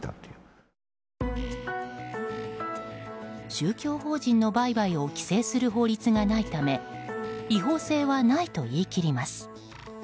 宗教法人の売買を規制する法律がないため違法性はないと言い切ります。